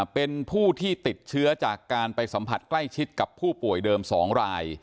เป็นผู้ที่ติดเชื้อจากการไปสัมผัสใกล้ชิดกับผู้ป่วยเดิม๒ราย